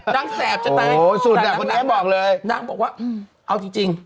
นางแสบจะตายโอ้ยสุดอ่ะคนนี้บอกเลยนางบอกว่าอืมเอาจริงจริง